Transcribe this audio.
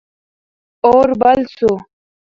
اور بل سو.